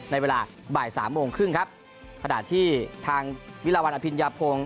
ในเวลาบ่ายสามโมงครึ่งครับขณะที่ทางวิลาวันอภิญญาพงศ์